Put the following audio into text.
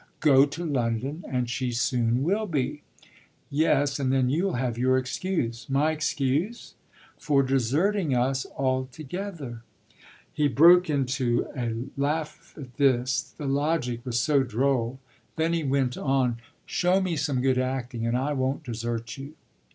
"Go to London and she soon will be." "Yes, and then you'll have your excuse." "My excuse?" "For deserting us altogether." He broke into laughter at this, the logic was so droll. Then he went on: "Show me some good acting and I won't desert you."